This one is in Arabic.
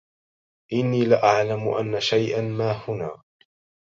إني لأعلم أن شيئا ما هنا